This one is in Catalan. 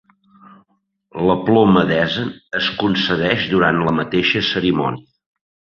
La Ploma d'Essen es concedeix durant la mateixa cerimònia.